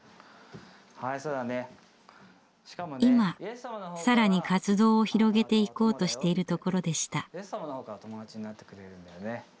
今更に活動を広げていこうとしているところでした。